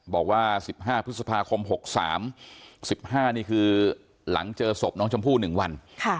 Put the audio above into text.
บอกว่า๑๕พฤษภาคม๖๓๑๕นี่คือหลังเจอศพน้องชมพู่๑วัน